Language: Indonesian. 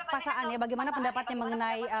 pasangan ya bagaimana pendapatnya mengenai